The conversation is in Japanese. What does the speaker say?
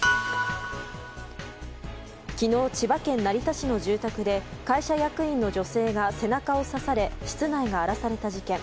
昨日、千葉県成田市の住宅で会社役員の女性が背中を刺され室内が荒らされた事件。